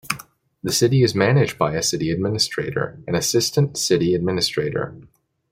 The city is managed by a city administrator and assistant city administrator.